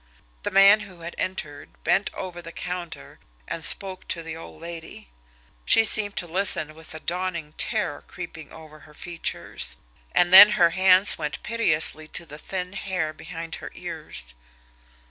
The man who had entered bent over the counter and spoke to the old lady. She seemed to listen with a dawning terror creeping over her features, and then her hands went piteously to the thin hair behind her ears.